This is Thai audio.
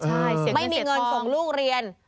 ใช่เสียเงินเสียทองไม่มีเงินส่งลูกเรียน